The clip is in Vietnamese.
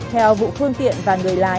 theo vụ phương tiện và người lái